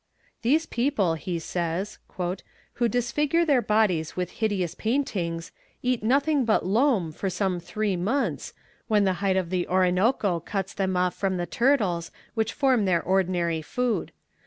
"These people," he says "who disfigure their bodies with hideous paintings, eat nothing but loam for some three months, when the height of the Orinoco cuts them off from the turtles which form their ordinary food.